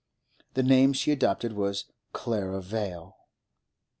The name she adopted was Clara Vale.